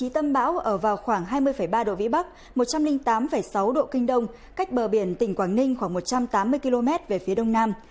tâm bão ở vào khoảng hai mươi ba độ vĩ bắc một trăm linh tám sáu độ kinh đông cách bờ biển tỉnh quảng ninh khoảng một trăm tám mươi km về phía đông nam